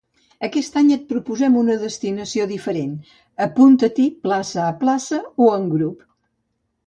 Aquest any et proposem una destinació diferent, apunta't-hi plaça a plaça o en grup.